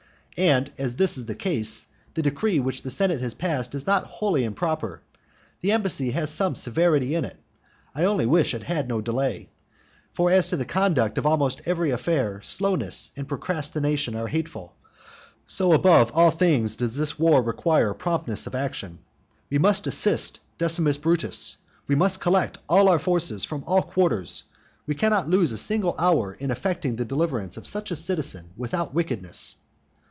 And as this is the case, the decree which the senate has passed is not wholly improper. The embassy has some severity in it; I only wish it had no delay. For as in the conduct of almost every affair slowness and procrastination are hateful, so above all things does this war require promptness of action. We must assist Decimus Brutus; we must collect all our forces from all quarters; we cannot lose a single hour in effecting the deliverance of such a citizen without wickedness.